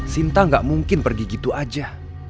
sinta gak mungkin pergi gitu aja